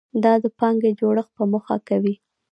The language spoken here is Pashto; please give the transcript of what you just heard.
دا د پانګې جوړښت په موخه کوي.